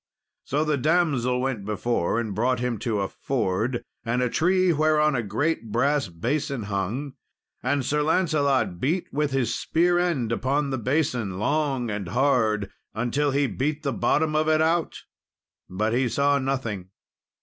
So the damsel went before, and brought him to a ford, and a tree whereon a great brass basin hung; and Sir Lancelot beat with his spear end upon the basin, long and hard, until he beat the bottom of it out, but he saw nothing.